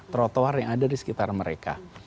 trotoar yang ada di sekitar mereka